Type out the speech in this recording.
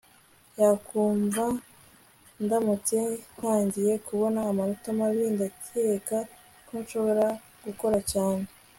yakumva ndamutse ntangiye kubona amanota mabi. ndakeka ko nshobora gukora cyane